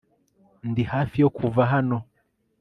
ndi hafi yo kuva hano